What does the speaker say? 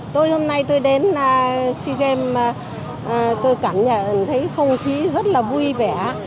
tôi hôm nay tôi đến sea games tôi cảm nhận thấy không khí rất là vui vẻ